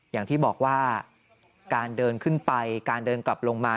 อย่างที่บอกว่าการเดินขึ้นไปการเดินกลับลงมา